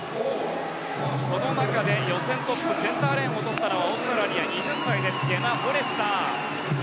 その中で予選トップセンターレーンを取ったのはオーストラリア２０歳ジェナ・フォレスター。